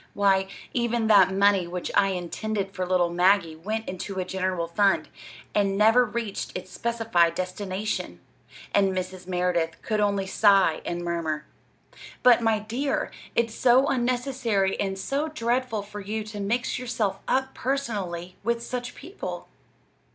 "Why, even that money which I intended for little Maggie went into a general fund, and never reached its specified destination." And Mrs. Merideth could only sigh and murmur: "But, my dear, it's so unnecessary and so dreadful for you to mix yourself up personally with such people!"